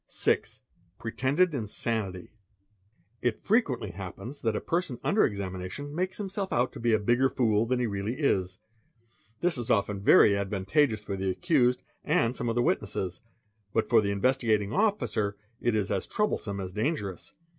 | 6. Pretended Insanity. It frequently happens that a person under examination makes himse! out to be a bigger fool than he really is; this is often very advantageou for the accused and some of the witnesses, but for the Investigatin Officer it is as troublesome as dangerous.